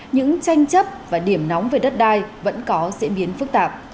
những tranh chấp và điểm nóng về đất đai vẫn có diễn biến phức tạp